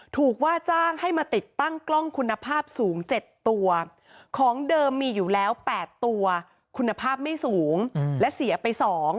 ถูกว่าจ้างให้มาติดตั้งกล้องคุณภาพสูง๗ตัวของเดิมมีอยู่แล้ว๘ตัวคุณภาพไม่สูงและเสียไป๒